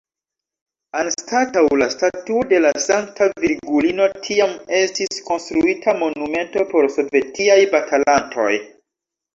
Anstataŭ la statuo de la sankta Virgulino tiam estis konstruita monumento por sovetiaj batalantoj.